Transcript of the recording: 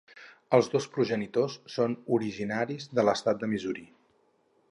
Els dos progenitors són originaris de l'estat de Missouri.